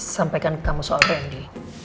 sampaikan ke kamu soal tni